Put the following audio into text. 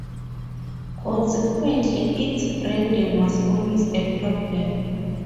Consequently its branding was always a problem.